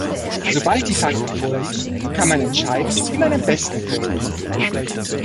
Sobald die Fakten vorliegen, kann man entscheiden, wie man am besten vorgeht.